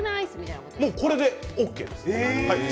これでＯＫです。